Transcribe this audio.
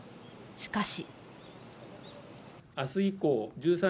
しかし。